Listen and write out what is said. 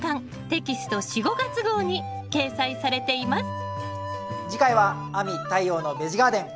テキスト４・５月号に掲載されています